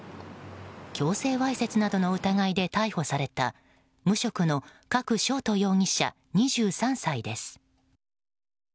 強制わいせつなどの疑いで逮捕された無職の加久翔人容疑者、２３歳です。